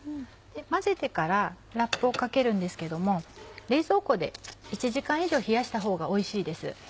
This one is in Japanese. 混ぜてからラップをかけるんですけども冷蔵庫で１時間以上冷やしたほうがおいしいです。